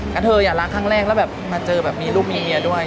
แล้วเธอรักครั้งแรกแล้วแบบมาเจอแบบมีลูกมีเมียด้วย